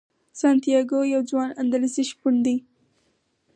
سانتیاګو یو ځوان اندلسي شپون دی.